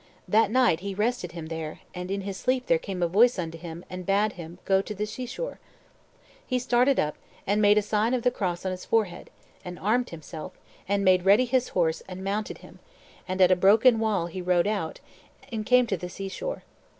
That night he rested him there, and in his sleep there came a voice unto him and bade him go to the sea shore. He started up, and made a sign of the cross on his forehead, and armed himself, and made ready his horse and mounted him, and at a broken wall he rode out, and came to the sea shore.